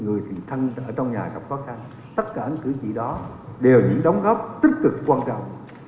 người thị thân ở trong nhà gặp khó khăn tất cả những thứ gì đó đều những đóng góp tích cực quan trọng